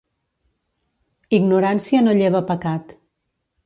Ignorància no lleva pecat.